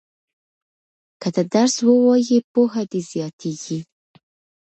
که ته درس ووایې پوهه دې زیاتیږي.